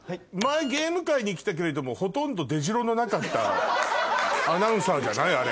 前ゲーム回に来てくれてほとんど出じろのなかったアナウンサーじゃない？